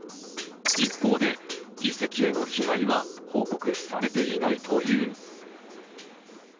一方で遺跡への被害は報告されていないという。